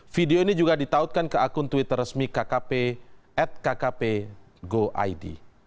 video ini juga ditautkan ke akun twitter resmi kkp at kkp go id